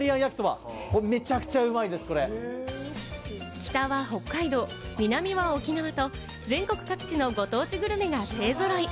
北は北海道、南は沖縄と全国各地のご当地グルメが勢ぞろい。